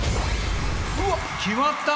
うわっ決まった！